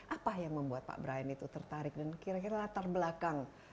apa yang membuat pak brian itu tertarik dan kira kira latar belakang